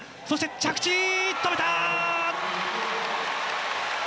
そして着地。